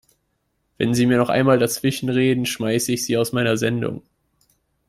Wenn Sie mir noch einmal dazwischenreden, schmeiße ich Sie aus meiner Sendung!